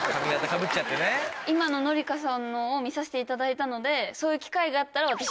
今の紀香さんのを見させていただいたのでそういう機会があったら。